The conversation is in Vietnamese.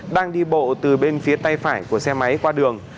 đang đi bộ từ bên phía tay phải của xe máy qua đường